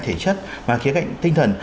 thể chất mà khía cạnh tinh thần